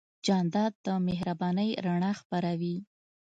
جانداد د مهربانۍ رڼا خپروي.